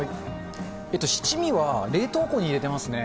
七味は冷凍庫に入れてますね。